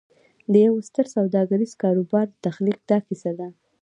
د یوه ستر سوداګریز کاروبار د تخلیق دا کیسه ده